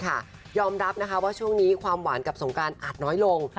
ยอมรับนะคะว่าช่วงนี้ความหวานกับสงการอาจน้อยลง